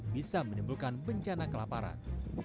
bisa menimbulkan bencana kelaparan